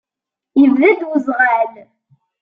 Yebda-d uzɣal.